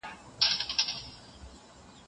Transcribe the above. ګندهاري د کومې سیمې شازادګۍ وه؟